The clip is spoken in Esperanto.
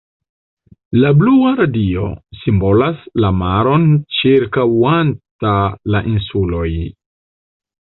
La blua radio simbolas la maron ĉirkaŭanta la insuloj.